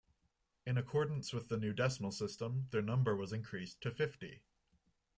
In accordance with the new decimal system, their number was increased to fifty.